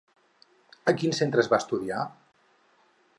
A quins centres va estudiar?